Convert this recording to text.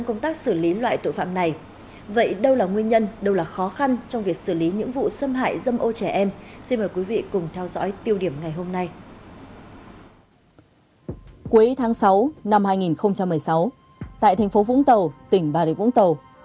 cuối tháng sáu năm hai nghìn một mươi sáu tại thành phố vũng tàu tỉnh bà rịa vũng tàu